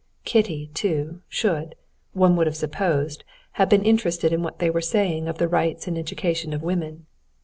Kitty, too, should, one would have supposed, have been interested in what they were saying of the rights and education of women.